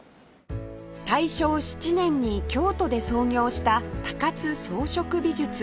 大正７年に京都で創業した高津装飾美術